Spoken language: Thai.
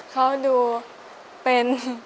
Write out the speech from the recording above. เขาดูเป็น